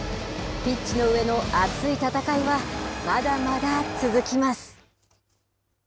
ピッチの上の熱い戦いは、まだまだ続きます。